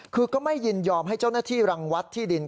คือก็ไม่ยินยอมให้เจ้าหน้าที่รังวัดที่ดิน